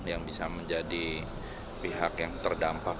yang bisa menjadi pihak yang terdampak